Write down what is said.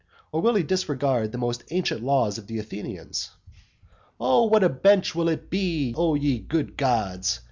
Or will he disregard the most ancient laws of the Athenians? And what a bench will it be, O ye good gods!